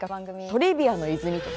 「トリビアの泉」とか。